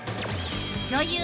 ［女優］